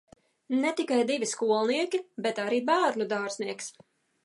Ne tikai divi skolnieki, bet arī bērnudārznieks.